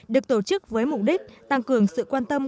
được tổ chức với mục đích tăng cường sự quan tâm